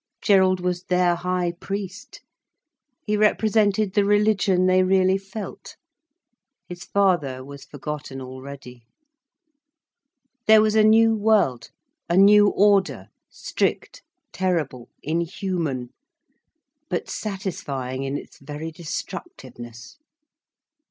Gerald was their high priest, he represented the religion they really felt. His father was forgotten already. There was a new world, a new order, strict, terrible, inhuman, but satisfying in its very destructiveness.